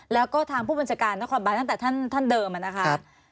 แล้วก็ทางผู้บัญชาการนครบานตั้งแต่ท่านเดิมนะคะ